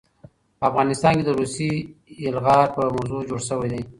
په افغانستان د روسي يلغار په موضوع جوړ شوے دے